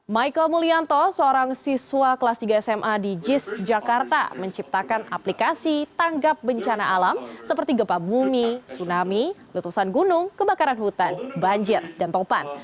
michael mulyanto seorang siswa kelas tiga sma di jis jakarta menciptakan aplikasi tanggap bencana alam seperti gempa bumi tsunami letusan gunung kebakaran hutan banjir dan topan